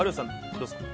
どうですか？